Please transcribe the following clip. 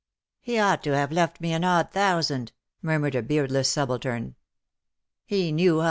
" He ought to have left me an odd thousand,^' murmured a beardless subaltern; "he knew how 74: ^^DUST TO DUST."